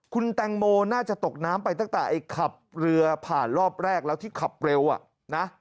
คุณแตงโมน่าจะตกน้ำไปตั้งแต่ไอ้ขับเรือผ่านรอบแรกแล้วที่ขับเร็วอ่ะนะ